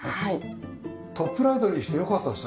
トップライトにしてよかったですね。